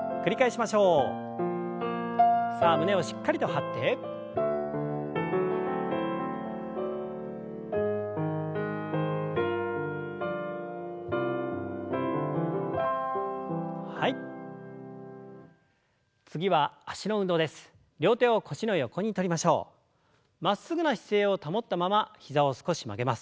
まっすぐな姿勢を保ったまま膝を少し曲げます。